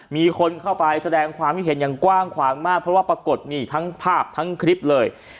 มีคนเข้าไปแสดงความคิดเห็นอย่างกว้างขวางมากเพราะว่าปรากฏนี่ทั้งภาพทั้งคลิปเลย